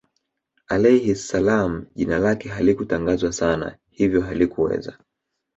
Alayhis Salaam jina lake halikutangazwa sana hivyo halikuweza